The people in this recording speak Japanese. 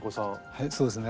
はいそうですね。